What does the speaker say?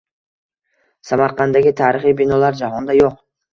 Samarqanddagi tarixiy binolar jahonda yo‘q.